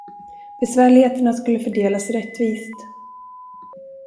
Besvärligheterna skulle fördelas rättvist.